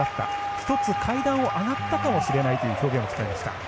１つ階段を上がったかもしれないという表現を使いました。